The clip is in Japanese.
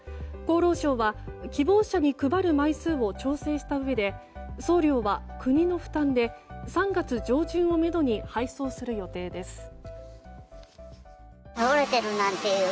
厚労省は希望者に配る枚数を調整したうえで送料は国の負担で３月上旬をめどに配送する予定です。